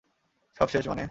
সব শেষ মানে?